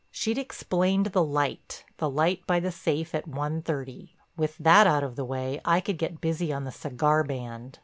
She'd explained the light, the light by the safe at one thirty. With that out of the way, I could get busy on the cigar band.